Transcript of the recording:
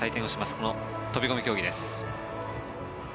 この飛込競技です。